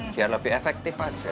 biar lebih efektif aja